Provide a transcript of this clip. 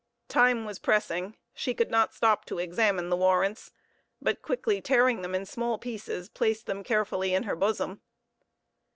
Time was pressing; she could not stop to examine the warrants, but, quickly tearing them in small pieces, placed them carefully in her bosom.